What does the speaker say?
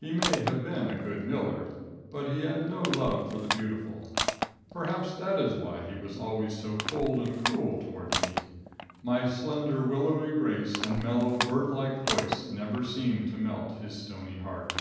He may have been a good miller, but he had no love for the beautiful. Perhaps that is why he was always so cold and cruel toward me. My slender, willowy grace and mellow, bird like voice never seemed to melt his stony heart.